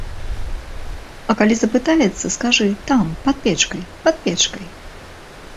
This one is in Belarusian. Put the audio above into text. А калі запытаецца, скажы, там, пад печкай, пад печкай.